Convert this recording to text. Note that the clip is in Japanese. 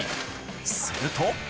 すると。